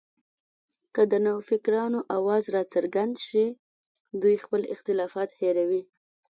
که د نوفکرانو اواز راڅرګند شي، دوی خپل اختلافات هېروي